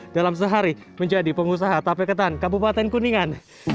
dalam sehari menjadi pengusaha tape ketan kabupaten kuningan